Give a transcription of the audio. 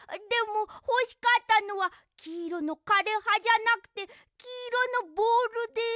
でもほしかったのはきいろのかれはじゃなくてきいろのボールで。